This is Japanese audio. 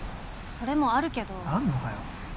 それもあるけどあんのかよ